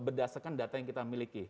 berdasarkan data yang kita miliki